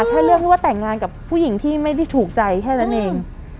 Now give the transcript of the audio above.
แค่เรื่องที่ว่าแต่งงานกับผู้หญิงที่ไม่ได้ถูกใจแค่นั้นเอง